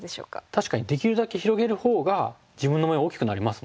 確かにできるだけ広げるほうが自分の模様大きくなりますもんね。